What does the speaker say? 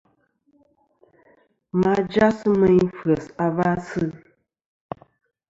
Ma jas meyn f̀yes a va sɨ.